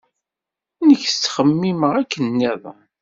Nekk ttxemmimeɣ akken niḍen.